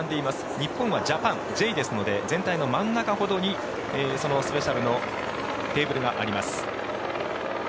日本はジャパン、Ｊですので全体の真ん中ほどにスペシャルのテーブルがあります。